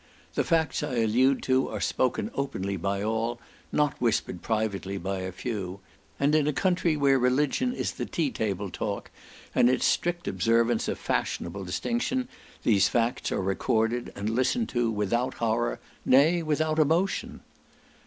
The facts I allude to are spoken openly by all, not whispered privately by a few; and in a country where religion is the tea table talk, and its strict observance a fashionable distinction, these facts are recorded, and listened to, without horror, nay, without emotion.